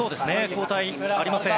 交代はありません。